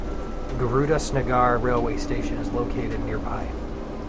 Gurudas Nagar railway station is located nearby.